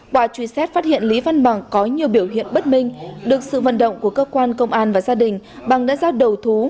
quả truy xét phát hiện lý văn mạnh có nhiều biểu hiện bất minh được sự vận động của cơ quan công an và gia đình bằng đánh giá đầu thú